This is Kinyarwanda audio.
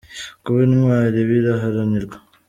Kuba intwari biraharanirwa